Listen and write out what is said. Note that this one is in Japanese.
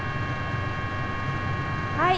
はい。